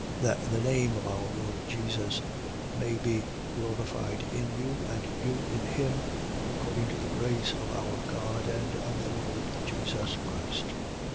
That the name of our Lord Jesus may be glorified in you, and you in him, according to the grace of our God and of the Lord Jesus Christ.